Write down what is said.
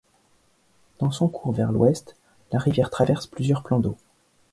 Dans son cours vers l'ouest, la rivière traverse plusieurs plans d'eau.